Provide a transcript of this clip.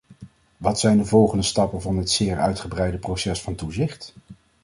Wat zijn de volgende stappen van dit zeer uitgebreide proces van toezicht?